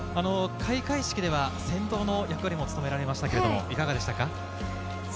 開会式では先導の役割も務められましたけど、いかがでしたか？